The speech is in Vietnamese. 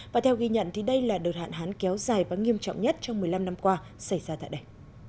và theo ghi nhận thì đây là đợt hạn hán kéo dài và nghiêm trọng nhất trong một mươi năm năm qua xảy ra tại đây